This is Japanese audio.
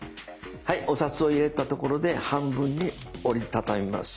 はいお札を入れたところで半分に折り畳みます。